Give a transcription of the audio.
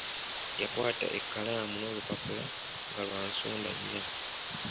Yakwata ekalamu n'olupapula nga lwa nsonda nnya.